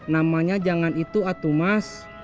namanya jangan itu atu mas